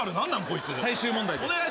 最終問題です。